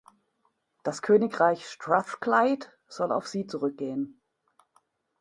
Das Königreich Strathclyde soll auf sie zurückgehen.